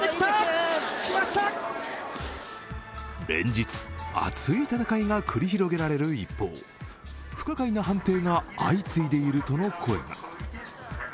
連日、熱い戦いが繰り広げられる一方、不可解な判定が相次いでいるとの声が。